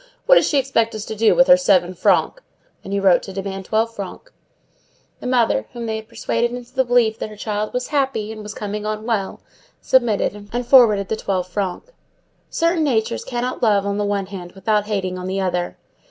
What does she expect us to do with her seven francs?" and he wrote to demand twelve francs. The mother, whom they had persuaded into the belief that her child was happy, "and was coming on well," submitted, and forwarded the twelve francs. Certain natures cannot love on the one hand without hating on the other.